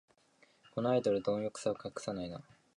このアイドル、どん欲さを隠さないな